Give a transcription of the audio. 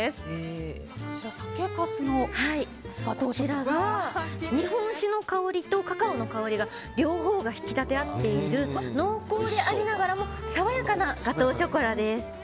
こちらが日本酒の香りとカカオの香りの両方が引き立て合っている濃厚でありながらも爽やかなガトーショコラです。